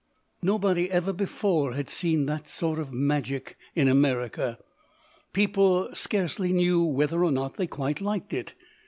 Nobody ever before had seen that sort of magic in America. People scarcely knew whether or not they quite liked it.